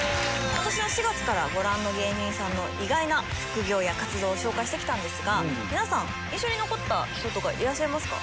今年の４月からご覧の芸人さんの意外な副業や活動を紹介してきたんですが皆さん印象の残った人とかいらっしゃいますか？